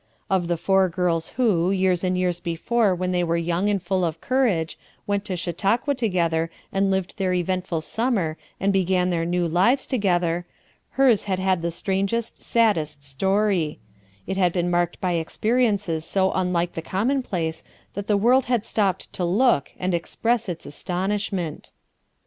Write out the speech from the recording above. Of the four girls who, years and years before when they were young and full of courage, went to Chautauqua together and lived their eventful summer and began their new lives together, hers had had the strangest, saddest story; it had been marked by experiences so unlike the commonplace that the world had stopped to look, and express its astonishment.